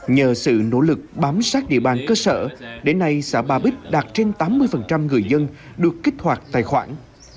nhờ sự nỗ lực bám sát địa bàn cơ sở đến nay xã ba bích đạt trên tám mươi người dân được kích hoạt tài khoản